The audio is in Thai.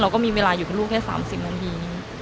ก็มีเวลาอยู่กับลูกแค่๓๐นาที